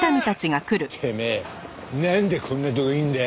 てめえなんでこんなとこいんだよ！